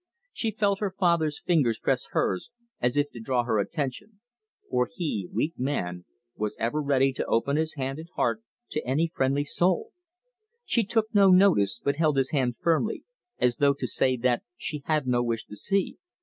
She felt her father's fingers press hers, as if to draw her attention, for he, weak man, was ever ready to open his hand and heart to any friendly soul. She took no notice, but held his hand firmly, as though to say that she had no wish to see.